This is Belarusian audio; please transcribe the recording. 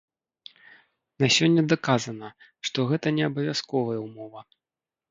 На сёння даказана, што гэта не абавязковая ўмова.